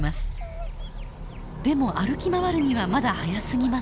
でも歩き回るにはまだ早すぎます。